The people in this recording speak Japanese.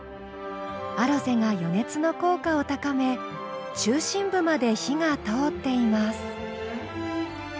アロゼが余熱の効果を高め中心部まで火が通っています。